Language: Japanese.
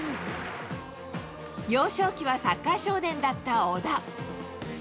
幼少期はサッカー少年だった小田。